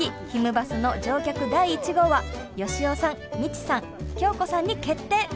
バスの乗客第１号は佳雄さんミチさん恭子さんに決定！